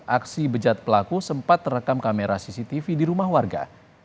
aksi bejat pelaku sempat terekam kamera cctv di rumah warga